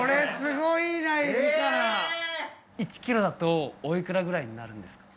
１キロだとおいくらぐらいになるんですか？